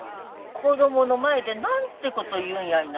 子供の前で何てこと言うんやいな。